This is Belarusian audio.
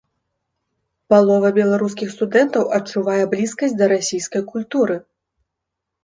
Палова беларускіх студэнтаў адчувае блізкасць да расійскай культуры.